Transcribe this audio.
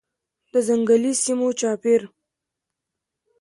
د ځنګلي سیمو چاپیر